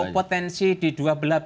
potensi di dua perjalanan